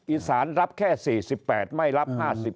อีสานรับแค่๔๘ไม่รับ๕๘